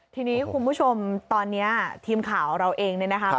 ทีนี้คุณผู้ชมตอนนี้ทีมข่าวเราเองนะครับ